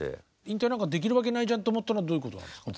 引退なんかできるわけないじゃんと思ったのはどういうことなんですか？